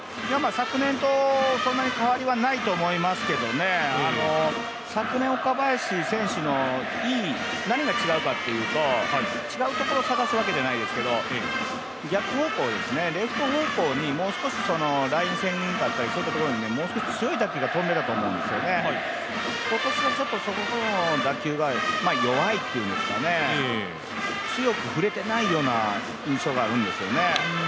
昨年とそんなに変わりはないと思いますけど、昨年、岡林選手の何が違うかというと違うところ探すわけじゃないですけど逆方向ですよね、レフト方向にもう少しラインセンターだったりにもう少し強い打球が飛んでいると思うんですよね、今年はそこの打球が弱いというんですかね、強く振れてないような印象があるんですよね。